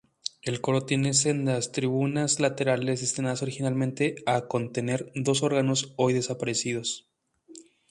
El coro tiene sendas tribunas laterales destinadas originalmente a contener dos órganos hoy desaparecidos.